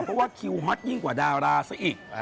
เพราะว่าคิวฮอตยิ่งกว่าดาราซะอีก